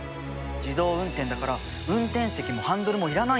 自動運転だから運転席もハンドルも要らないんだよ。